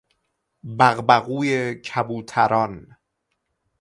بغبغوی کبوتران